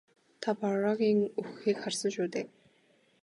Та Барруагийн үхэхийг харсан шүү дээ?